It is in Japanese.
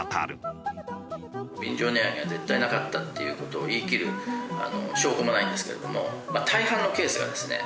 便乗値上げが絶対なかったっていう事を言い切る証拠もないんですけれどもまあ大半のケースがですね